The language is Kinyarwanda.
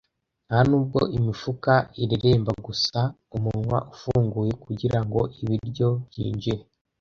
Ntanubwo imifuka ireremba gusa umunwa ufunguye kugirango ibiryo byinjire,